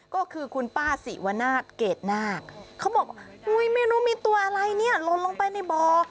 ก็คือคุณป้าศรีวนาศเกรดนาคเขาบอกอุ้ยไม่รู้มีตัวอะไรเนี่ยลนลงไปในบ่อ